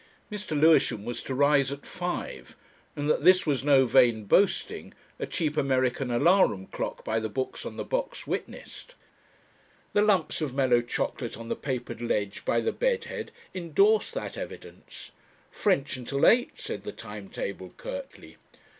Mr. Lewisham was to rise at five, and that this was no vain boasting, a cheap American alarum clock by the books on the box witnessed. The lumps of mellow chocolate on the papered ledge by the bed head indorsed that evidence. "French until eight," said the time table curtly.